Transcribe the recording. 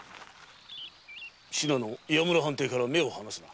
信濃岩村藩邸から目を離すな。